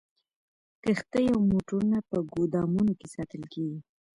کښتۍ او موټرونه په ګودامونو کې ساتل کیږي